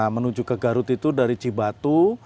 menuju ke garut itu dari cibatu